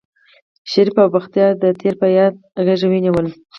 شريف او بختيار د تېر په ياد غېږه ونيوله.